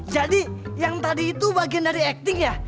jadi yang tadi itu bagian dari acting ya